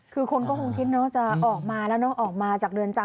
คือคนก็คงคิดเนอะจะออกมาแล้วเนอะออกมาจากเรือนจำ